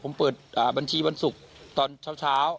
ผมเปิดบัญชีวันศูกรษตอนเฉียวเช้า